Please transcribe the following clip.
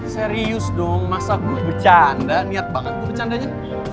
serius dong masa gue bercanda niat banget gue bercandanya